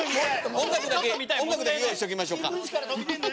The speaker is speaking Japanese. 音楽だけ用意しておきましょうか。